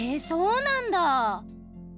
そうなんだ！